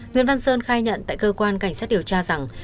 nguyễn văn sơn khai nhận tại cơ quan cảnh sát điều tra rằng